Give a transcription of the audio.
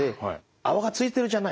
「泡がついてるじゃない。